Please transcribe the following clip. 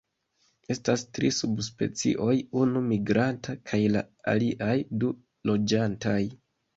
Estas tri subspecioj, unu migranta, kaj la aliaj du loĝantaj.